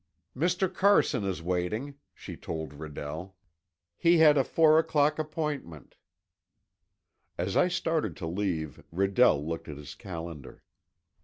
"Mr. Carson is waiting," she told Redell. "He had a four o'clock appointment." As I started to leave, Redell looked at his calendar.